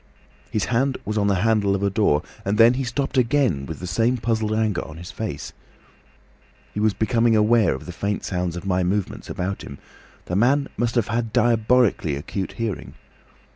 "His hand was on the handle of a door, and then he stopped again with the same puzzled anger on his face. He was becoming aware of the faint sounds of my movements about him. The man must have had diabolically acute hearing.